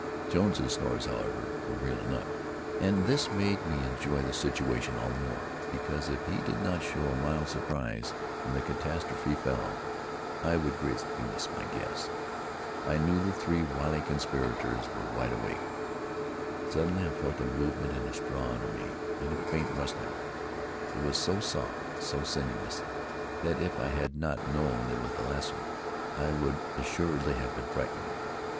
Jones's snores, however, were real enough, and this made me enjoy the situation all the more; because if he did not show a mild surprise when the catastrophe fell, I would greatly miss my guess. I knew the three wily conspirators were wide awake. Suddenly I felt a movement in the straw under me and a faint rustling. It was so soft, so sinuous, that if I had not known it was the lasso, I would assuredly have been frightened.